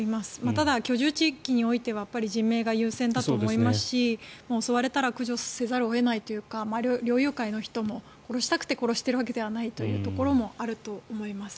ただ、居住地域においては人命が優先だと思いますし襲われたら駆除せざるを得ないというか猟友会の人も殺したくて殺してるわけではないというところもあると思います。